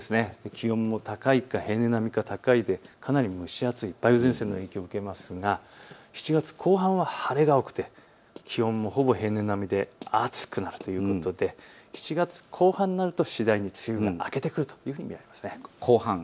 気温も高いか、平年並みか高いでかなり蒸し暑い、梅雨前線の影響を受けますが７月後半は晴れが多くて気温もほぼ平年並みで暑くなるということで、７月後半になると次第に梅雨が明けてくるというふうに見られます。